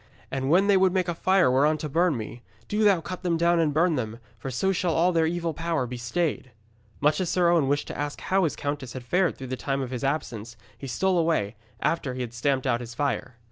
And when they would make a fire whereon to burn me, do thou cut them down and burn them, for so shall all their evil power be stayed.' Much as Sir Owen wished to ask how his countess had fared through the time of his absence, he stole away, after he had stamped out his fire.